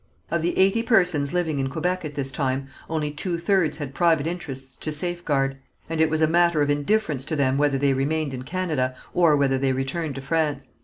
Of the eighty persons living in Quebec at this time, only two thirds had private interests to safeguard, and it was a matter of indifference to them whether they remained in Canada or whether they returned to France.